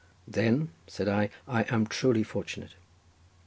"Then," said I, "I am truly fortunate."